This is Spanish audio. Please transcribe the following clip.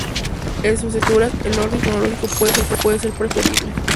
En sucesivas lecturas, el orden cronológico puede ser preferible.